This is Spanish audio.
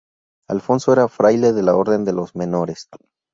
Alfonso era fraile de la orden de los menores.